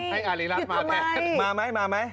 หยุดทำไมหยุดทำไม